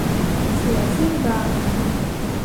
เสือสิ้นลาย